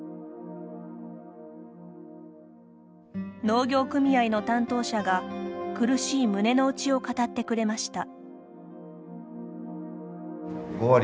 農業組合の担当者が苦しい胸の内を語ってくれました。